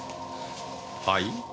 はい？